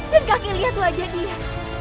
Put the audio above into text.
dan kakek lihat lihat aja dia